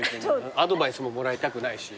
アドバイスももらいたくないし。